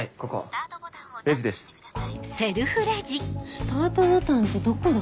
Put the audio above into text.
スタートボタンってどこだ？